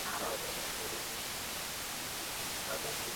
nae waziri wake wa michezo amesema ya kwamba